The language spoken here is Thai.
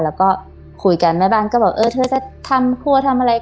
แล้วก็คุยกันแม่บ้านก็บอกเออเธอจะทำครัวทำอะไร